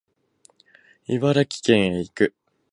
茨城県へ行く